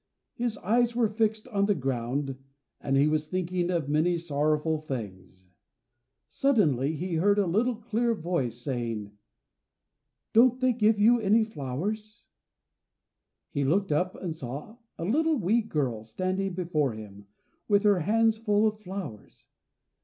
His eyes were fixed on the ground, and he was thinking of many sorrowful things. Suddenly he heard a little clear voice saying, "Didn't they give you any flowers?" He looked up and saw a little wee girl standing before him, with her hands full of flowers.